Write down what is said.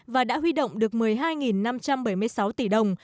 và đã huy động được một mươi hai năm trăm bảy mươi sáu tỷ đồng